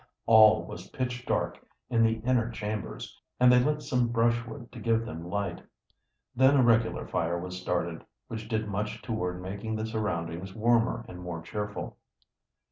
All was pitch dark in the inner chambers, and they lit some brushwood to give them light. Then a regular fire was started, which did much toward making the surroundings warmer and more cheerful.